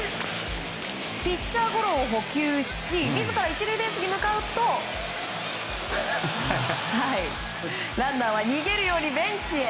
ピッチャーゴロを捕球し自ら１塁ベースに向かうとランナーは逃げるようにベンチへ。